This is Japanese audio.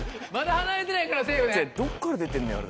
どっから出てんだよあれ。